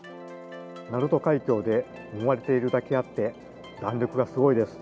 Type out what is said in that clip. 鳴門海峡でもまれているだけあって、弾力がすごいです。